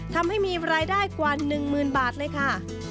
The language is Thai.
ทำให้มีรายได้กว่า๑๐๐๐บาทเลยค่ะ